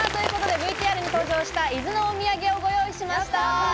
ＶＴＲに登場した伊豆のお土産をご用意しました。